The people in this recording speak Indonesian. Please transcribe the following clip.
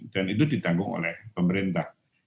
dan itu ditanggung oleh pemerintah